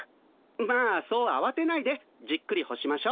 まあそうあわてないでじっくり干しましょう。